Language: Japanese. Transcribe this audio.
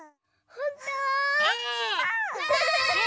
ほんと？